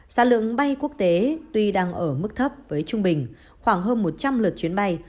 sản lượng bay quốc tế tuy đang ở mức thấp với trung bình khoảng hơn một trăm linh lượt chuyến bay